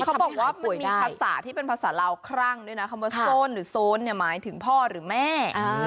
เขาบอกว่ามันมีภาษาที่เป็นภาษาลาวครั่งด้วยนะคำว่าโซนหรือโซนเนี่ยหมายถึงพ่อหรือแม่